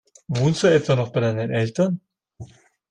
Wohnst du etwa noch bei deinen Eltern?